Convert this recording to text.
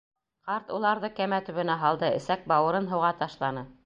Ҡарт уларҙы кәмә төбөнә һалды, эсәк-бауырын һыуға ташланы.